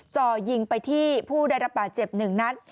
จ่อยิงไปที่ผู้ได้รับบาดเจ็บหนึ่งนัด